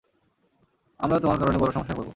আমরা তোমার কারণে বড় সমস্যায় পড়ব।